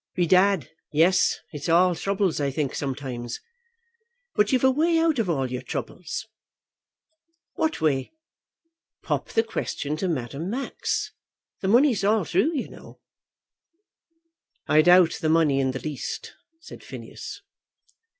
"Bedad, yes. It's all throubles, I think, sometimes. But you've a way out of all your throubles." "What way?" "Pop the question to Madame Max. The money's all thrue, you know." "I don't doubt the money in the least," said Phineas.